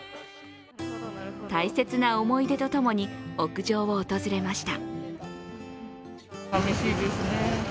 大切な思い出と共に屋上を訪れました。